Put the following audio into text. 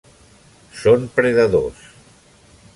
Són predadors.